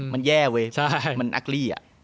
มันแย่เหมือนอักลี